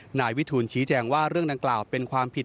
นายวิทูลชี้แจงว่าเรื่องดังกล่าวเป็นความผิด